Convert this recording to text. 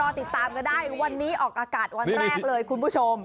ติดตามกันได้วันนี้ออกอากาศวันแรกเลยคุณผู้ชม